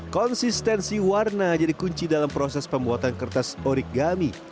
konsistensi warna jadi kunci dalam proses pembuatan kertas origami